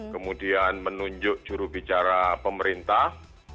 kemudian menunjuk jurubicara pemerintah